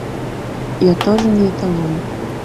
Я тоже не эталон.